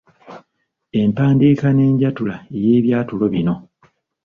Empandiika n'enjatula ey’ebyatulo bino.